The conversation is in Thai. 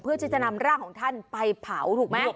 เพื่อที่จะนำร่างของท่านไปเผาถูกไหม